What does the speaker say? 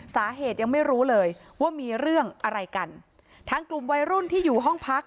สาเหตุยังไม่รู้เลยว่ามีเรื่องอะไรกันทั้งกลุ่มวัยรุ่นที่อยู่ห้องพัก